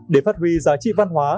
để phát huy giá trị văn hóa